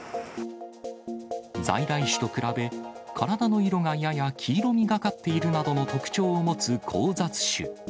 在来種と比べ、体の色がやや黄色みがかっているなどの特徴を持つ交雑種。